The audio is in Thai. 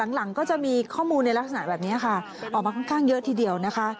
หลังก็จะมีข้อมูลในลักษณะแบบนี้ค่ะออกมาค่อนข้างเยอะทีเดียวนะคะ